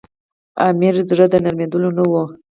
امیر زړه د نرمېدلو نه وو.